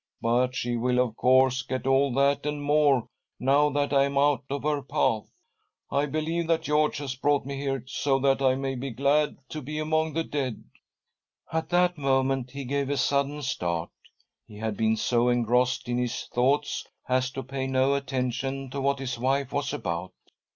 But she will, of course, get all that and more, now that I am out of her path. I believe that George has brought me here so that I may be glad to be among the dead !" At that moment he gave a sudden start. He had been so engrossed in his thoughts as to pay no attention to what his wife was about.